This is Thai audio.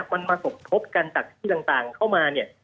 มันมาสมทบกันจากที่ต่างเข้ามาเนี่ย